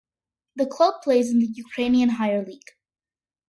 The club plays in the Ukrainian Higher League.